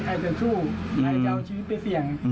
ใครจะสู้ใครจะเอาชีวิตไปเสี่ยง